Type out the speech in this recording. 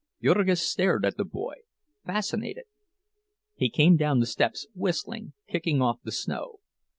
Jurgis stared at the boy, fascinated. He came down the steps whistling, kicking off the snow.